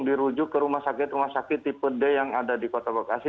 dirujuk ke rumah sakit rumah sakit tipe d yang ada di kota bekasi